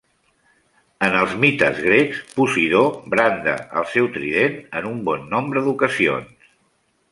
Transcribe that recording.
En els mites grecs, Posidó branda el seu trident en un bon nombre d'ocasions.